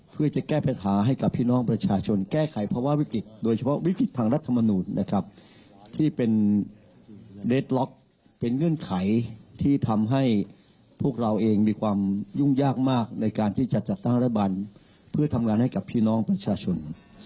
เพราะเป็นเงื่อนไขที่ทำให้พวกเราเองมีความยุ่งยากมากในการที่จะจัดทั้งรัฐบาลเพื่อทำงานให้กับพี่น้องประชาชน